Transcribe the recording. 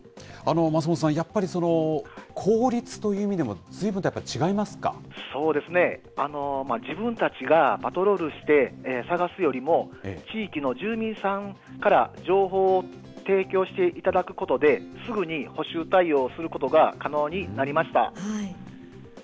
増本さん、やっぱり効率という意味でも、そうですね、自分たちがパトロールして探すよりも、地域の住民さんから情報を提供していただくことで、すぐに補修対応をすることが可能になりました。